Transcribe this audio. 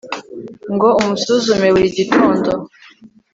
ngo umusuzume buri gitondo